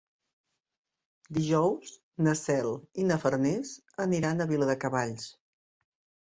Dijous na Cel i na Farners aniran a Viladecavalls.